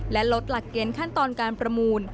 และลดหลักเกณฑ์ขั้นตอนการประมูล